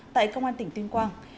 tại công an tỉnh tuyên quang